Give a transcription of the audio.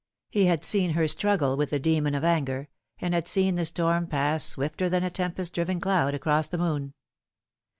He had seen her struggle with the demon of anger, and had seen the storm pass swifter than a tempest driven cloud across the moon.